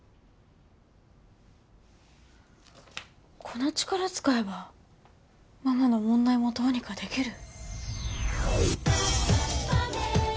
この力使えばママの問題もどうにかできる？